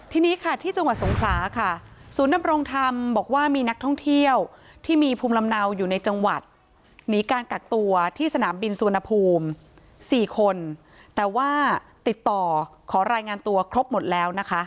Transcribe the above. ที่นี้ค่ะที่จังหวัดสงคราค่ะ